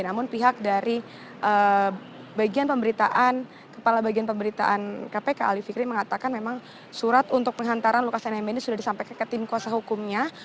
namun pihak dari bagian pemberitaan kepala bagian pemberitaan kpk ali fikri mengatakan memang surat untuk penghantaran lukas nmb ini sudah disampaikan ke tim kuasa hukumnya